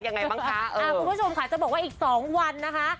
ยังไงบ้างคะอ่าคุณผู้ชมค่ะจะบอกว่าอีกสองวันนะคะ